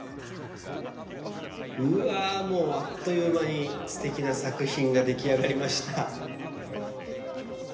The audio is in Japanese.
うわもうあっという間にすてきな作品が出来上がりました。